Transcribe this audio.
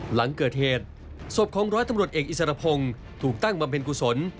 หลังเกิดเหตุศพของร้อยตำรวจเอกอิสรพงศ์ถูกตั้งบำเพ็ญกุศล